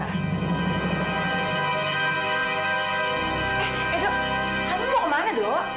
eh eh dok tante mau ke mana dok